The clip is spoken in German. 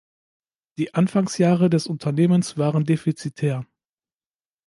Die Anfangsjahre des Unternehmens waren defizitär.